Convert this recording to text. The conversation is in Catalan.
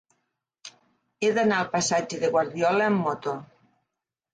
He d'anar al passatge de Guardiola amb moto.